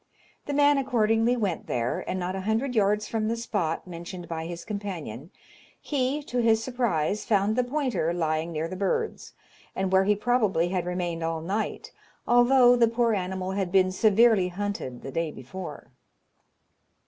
The man accordingly went there, and not a hundred yards from the spot mentioned by his companion, he, to his surprise, found the pointer lying near the birds, and where he probably had remained all night, although the poor animal had been severely hunted the day before."